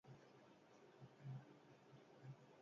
Aurrekoetan ere, printzesaren argaltasunak eztabaida sortu du.